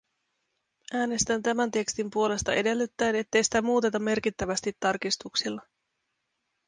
Äänestän tämän tekstin puolesta edellyttäen, ettei sitä muuteta merkittävästi tarkistuksilla.